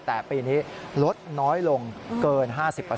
แต่ปีนี้ลดน้อยลงเกิน๕๐